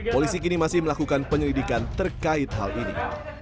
polisi kini masih melakukan penyelidikan terkait hal ini